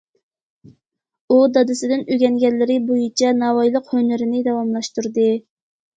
ئۇ دادىسىدىن ئۆگەنگەنلىرى بويىچە ناۋايلىق ھۈنىرىنى داۋاملاشتۇردى.